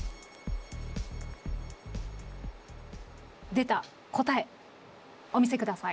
出た答えお見せください。